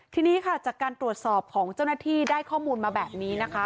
ทีนี้ค่ะจากการตรวจสอบของเจ้าหน้าที่ได้ข้อมูลมาแบบนี้นะคะ